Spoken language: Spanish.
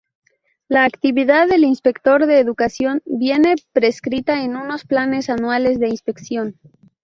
La actividad del inspector de educación viene prescrita en unos planes anuales de inspección.